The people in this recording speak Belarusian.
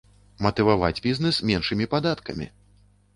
Матываваць бізнэс меншымі падаткамі.